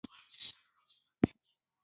هغه یو لوی پوځ مخکي لېږلی دی.